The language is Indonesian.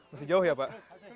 masih jauh ya pak